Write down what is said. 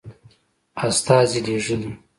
استازي لېږلي.